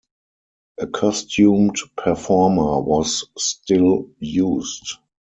A costumed performer was still used.